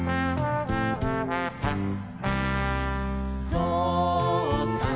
「ぞうさん